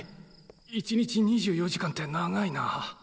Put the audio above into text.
一日２４時間って長いなあ。